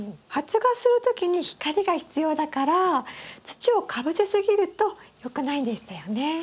発芽する時に光が必要だから土をかぶせすぎるとよくないんでしたよね。